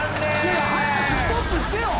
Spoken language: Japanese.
早くストップしてよ！